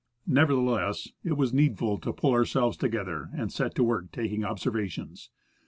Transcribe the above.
Nevertheless, it was needful to pull ourselves together, and set to work taking observa tions.